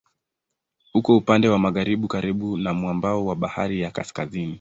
Uko upande wa magharibi karibu na mwambao wa Bahari ya Kaskazini.